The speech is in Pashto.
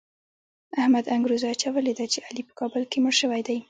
احمد انګروزه اچولې ده چې علي په کابل کې مړ شوی دی.